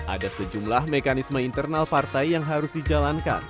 ada sejumlah mekanisme internal partai yang harus dijalankan